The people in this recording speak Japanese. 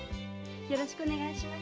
よろしくお願いします。